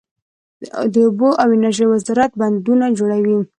د اوبو او انرژۍ وزارت بندونه جوړوي